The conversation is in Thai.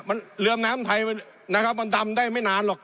มันเรืองน้ำไทยนะครับมันดำได้ไม่นานหรอก